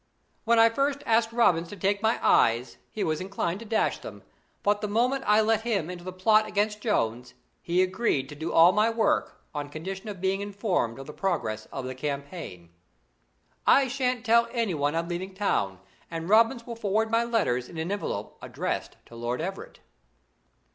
"When I first asked Robins to take my eyes, he was inclined to dash them; but the moment I let him into the plot against Jones, he agreed to do all my work on condition of being informed of the progress of the campaign. "I shan't tell anyone I'm leaving town, and Robins will forward my letters in an envelope addressed to Lord Everett.